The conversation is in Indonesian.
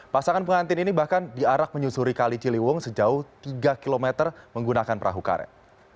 pasangan pengantin ini bahkan diarak menyusuri kali ciliwung sejauh tiga km menggunakan perahu karet